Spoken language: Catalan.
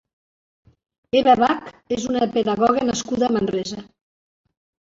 Eva Bach és una pedagoga nascuda a Manresa.